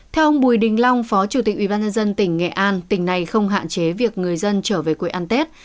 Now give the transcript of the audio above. theo ông bùi đình long phó chủ tịch ubnd tỉnh nghệ an tỉnh này không hạn chế việc người dân trở về quê ăn tết